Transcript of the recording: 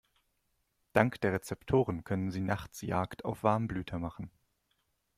Dank der Rezeptoren können sie nachts Jagd auf Warmblüter machen.